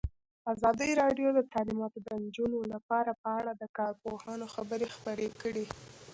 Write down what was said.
ازادي راډیو د تعلیمات د نجونو لپاره په اړه د کارپوهانو خبرې خپرې کړي.